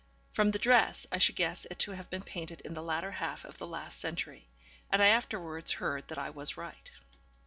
From the dress, I should guess it to have been painted in the latter half of the last century. And I afterwards heard that I was right.